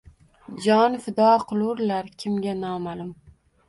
Jon fido qilurlar kimga, noma’lum?!